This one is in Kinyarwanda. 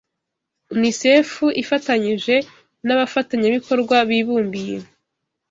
UNICEFU ifatanyije n’abafatanyabikorwa bibumbiye